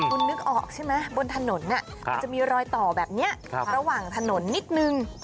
คุณนึกออกใช่ไหมบนถนนมันจะมีรอยต่อแบบนี้ระหว่างถนนนิดนึง